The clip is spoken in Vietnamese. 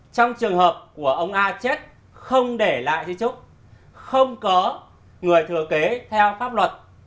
trong trường hợp của ông a chết không để lại di trúc không có người thừa kế theo pháp luật